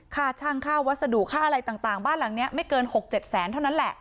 ค่าช่างค่าวัสดุค่าอะไรต่างบ้านหลังนี้ไม่เกิน๖๗แสนเท่านั้นแหละ